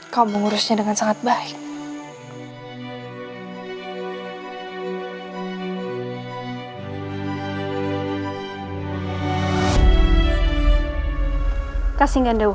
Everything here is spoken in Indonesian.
dan kamu sudah bisa menikmati hidupmu